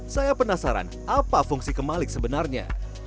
saya penasaran apa fungsi kemalik sebenarnya